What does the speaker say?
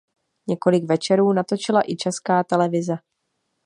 Několik Večerů natočila i Česká televize.